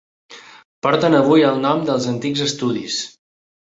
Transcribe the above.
Porten avui el nom dels antics estudis.